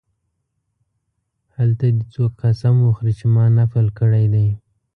هلته دې څوک قسم وخوري چې ما نفل کړی دی.